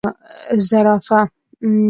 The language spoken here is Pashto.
🦒 زرافه